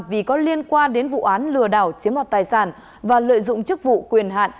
vì có liên quan đến vụ án lừa đảo chiếm đoạt tài sản và lợi dụng chức vụ quyền hạn